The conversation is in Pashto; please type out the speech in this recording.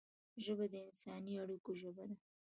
ژبه د انساني اړیکو ژبه ده